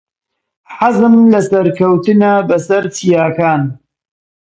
حەزم لە سەرکەوتنە بەسەر چیاکان.